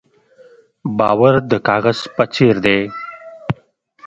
باور د کاغذ په څېر دی.